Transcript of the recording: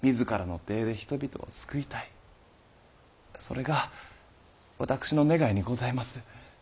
それが私の願いにございます。